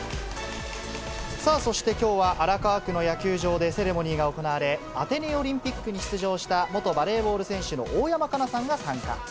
さあ、そしてきょうは荒川区の野球場でセレモニーが行われ、アテネオリンピックに出場した、元バレーボール選手の大山加奈さんが参加。